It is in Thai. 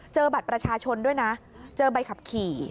บัตรประชาชนด้วยนะเจอใบขับขี่